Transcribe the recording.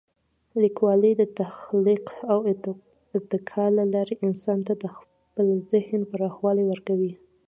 لیکوالی د تخلیق او ابتکار له لارې انسان ته د خپل ذهن پراخوالی ورکوي.